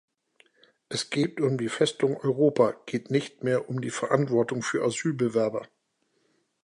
Es geht um die "Festung Europa" geht nicht mehr um die Verantwortung für Asylbewerber.